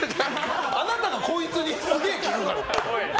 あなたがこいつにすげえ聞くから。